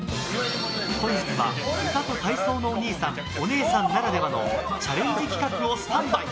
本日は歌と体操のおにいさんおねえさんならではのチャレンジ企画をスタンバイ！